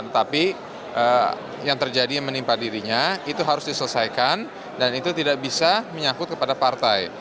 tapi yang terjadi menimpa dirinya itu harus diselesaikan dan itu tidak bisa menyangkut kepada partai